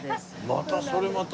またそれまた。